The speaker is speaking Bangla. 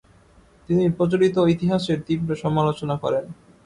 তিনি প্রচলিত ইতিহাসের তীব্র সমালােচনা করেন।